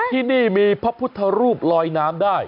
ที่นี่มีพระพุทธรูปลอยน้ำได้